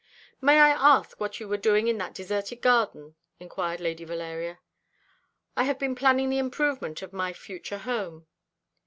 "May I ask what you were doing in that deserted garden?" inquired Lady Valeria. "I have been planning the improvement of my future home."